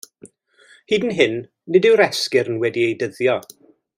Hyd yn hyn, nid yw'r esgyrn wedi eu dyddio.